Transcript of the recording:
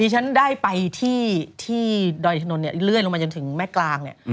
ฉันได้ไปที่ดอยอินทนนทเนี่ยเลื่อยลงมาจนถึงแม่กลางเนี่ย